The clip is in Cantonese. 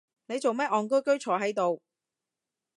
你做乜戇居居坐係度？